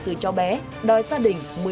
từ cháu bé đòi xa đỉnh